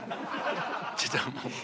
ちょっと。